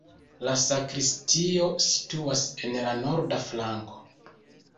La sakristio situas en la norda flanko.